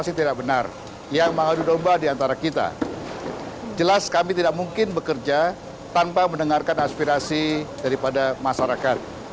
aspirasi tidak benar yang mengadu domba di antara kita jelas kami tidak mungkin bekerja tanpa mendengarkan aspirasi daripada masyarakat